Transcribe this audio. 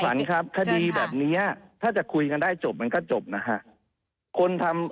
ขวัญครับคดีแบบนี้ถ้าจะคุยกันได้จบมันก็จบนะฮะคนทำ